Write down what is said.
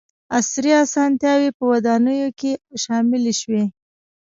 • عصري اسانتیاوې په ودانیو کې شاملې شوې.